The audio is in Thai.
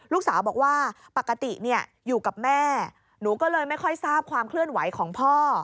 ลูกสาวบอกว่าปกติอยู่กับแม่หนูก็เลยไม่ค่อยทราบความเคลื่อนไหวของพ่อ